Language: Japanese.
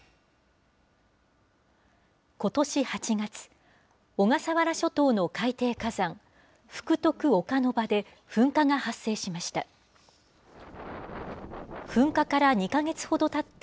ことし８月、小笠原諸島の海底火山、福徳岡ノ場で、噴火が発生しました。